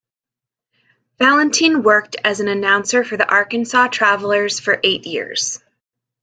Valentine worked as an announcer for the Arkansas Travelers for eight years.